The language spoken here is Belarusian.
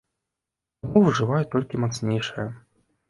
Таму выжываюць толькі мацнейшыя.